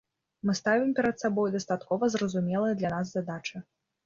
Мы ставім перад сабой дастаткова зразумелыя для нас задачы.